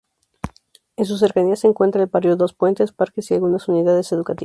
En sus cercanías se encuentra el barrio Dos Puentes, parques y algunas unidades educativas.